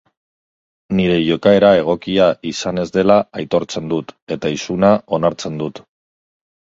Nire jokaera egokia izan ez dela aitortzen dut eta isuna onartzen dut.